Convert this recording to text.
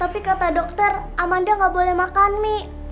tapi kata dokter amanda nggak boleh makan mie